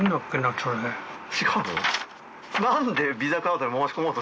違うの？